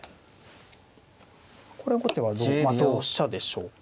これは後手は同飛車でしょうか。